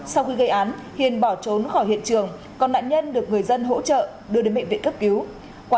sau khi gây án hiền bỏ trốn khỏi hiện trường còn nạn nhân được người dân hỗ trợ đưa đến bệnh viện cấp cứu